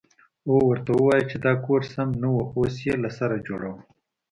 او ورته ووايې چې دا کور سم نه و اوس يې له سره جوړوه.